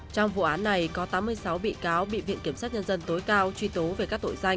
trong vụ án này có tám mươi sáu bị cáo bị viện kiểm sát nhân dân tối cao truy tố về các tội danh